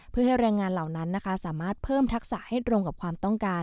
เพื่อให้แรงงานเหล่านั้นนะคะสามารถเพิ่มทักษะให้ตรงกับความต้องการ